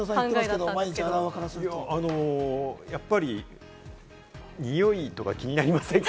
けれやっぱり臭いとか気になりませんか？